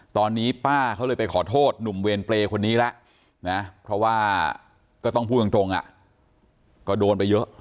ตอนนี้ป้าเขาเลยไปขอโทษหนุ่มเวรเปรย์คนนี้แล้วนะเพราะว่าก็ต้องพูดตรงก็โดนไปเยอะ